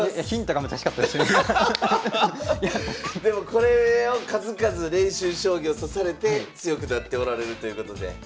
でもこれを数々練習将棋を指されて強くなっておられるということで。